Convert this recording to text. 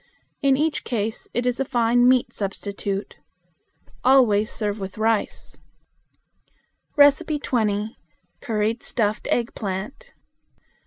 In each case it is a fine meat substitute. Always serve with rice. 20. Curried Stuffed Eggplant.